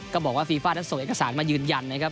ก็บอกว่าฟีฟ่านั้นส่งเอกสารมายืนยันนะครับ